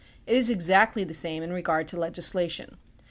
It is exactly the same in regard to legislation.